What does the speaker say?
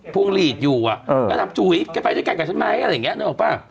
วงหลีดอยู่อ่ะก็ถามจุ๋ยแกไปด้วยกันกับฉันไหมอะไรอย่างนี้นึกออกป่ะ